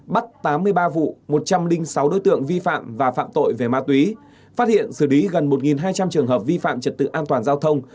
bắt tám mươi ba vụ một trăm linh sáu đối tượng vi phạm và phạm tội về ma túy phát hiện xử lý gần một hai trăm linh trường hợp vi phạm trật tự an toàn giao thông